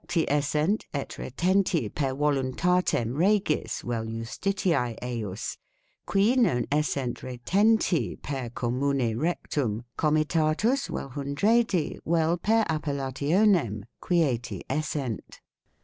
ti essent et retenti per uoluntatem regis uel justitiae ejus, qui non essent retenti per commune rectum comitatus uel hundredi uel per appellationem, quieti essent."